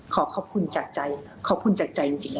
ขอขอบคุณจากใจขอบคุณจากใจจริง